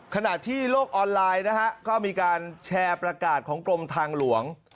ขณะที่โลกออนไลน์นะฮะก็มีการแชร์ประกาศของกรมทางหลวง